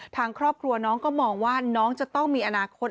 ทางครอบครัวน้องก็มองว่าน้องจะต้องมีอนาคต